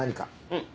うん。